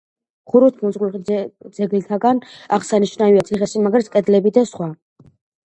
ხუროთმოძღვრულ ძეგლთაგან აღსანიშნავია ციხესიმაგრის კედლები და სხვა.